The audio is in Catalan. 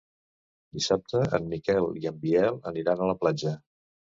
Dissabte en Miquel i en Biel aniran a la platja.